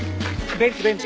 ベンチベンチ。